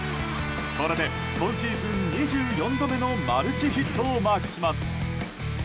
これで今シーズン２４度目のマルチヒットをマークします。